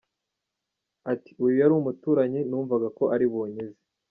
Ati “Uyu yari umuturanyi, numvaga ko ari bunkize.